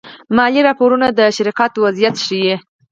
مالي راپورونه د شرکت وضعیت ښيي.